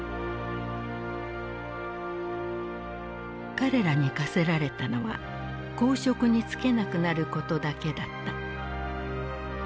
彼らに科せられたのは公職に就けなくなることだけだった。